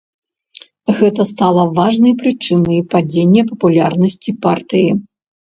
Гэта стала важнай прычынай падзення папулярнасці партыі.